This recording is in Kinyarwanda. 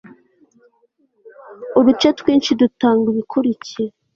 uduce twinshi dutanga ibikurikira